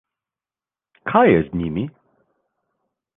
Kaj je z njimi?